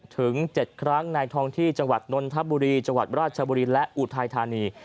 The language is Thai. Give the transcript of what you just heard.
ถึง๗ครั้งในทองที่จังหวัดนนทบุรีจังหวัดราชบุรีและอุทัยธานี